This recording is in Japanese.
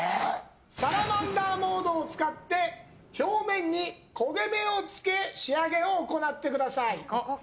サラマンダーモードを使って表面に焦げ目をつけ仕上げを行ってください。